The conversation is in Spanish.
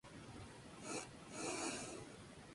Ruinas de las ermitas de Santa Juliana y de San Roque.